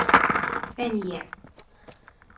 Фәниә.